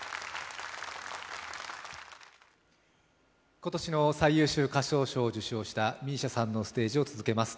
今年の最優秀歌唱賞を受賞したＭＩＳＩＡさんのステージを続けます。